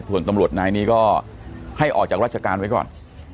ส่วนตำรวจนายนี้ก็ให้ออกจากราชการไว้ก่อน